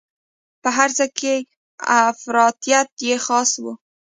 په هر څه کې افراطیت یې خاصه وه.